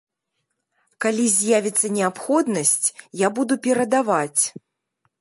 Калі з'явіцца неабходнасць, я буду перадаваць.